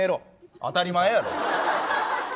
当たり前やろ。